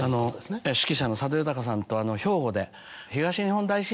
ええ指揮者の佐渡裕さんと兵庫で。